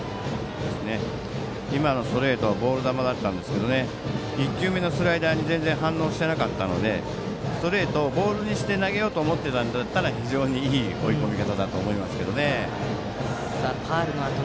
今のストレートはボール球だったんですが１球目のスライダーに全然反応してなかったのでストレートをボールにして投げようと思っていたならば非常にいい追い込み方だと思います。